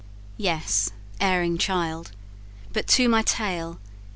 "Yes erring child; but to my tale.